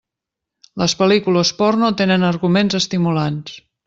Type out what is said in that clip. Les pel·lícules porno tenen arguments estimulants.